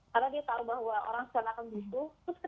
karena dia tahu bahwa orang secara kebisu